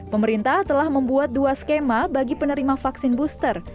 pemerintah telah membuat dua skema bagi penerima vaksin booster